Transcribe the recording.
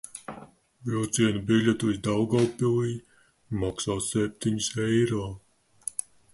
Vilciena biļete līdz Daugavpilij maksā septiņus eiro.